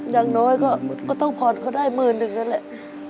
อย่างน้อยก็ต้องผ่อนก็ได้หมื่นหนึ่งนั่นแหละ